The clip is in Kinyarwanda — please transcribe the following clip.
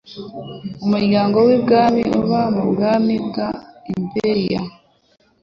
Umuryango wibwami uba mubwami bwa Imperial.